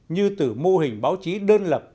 như từ mô hình báo chí đơn lập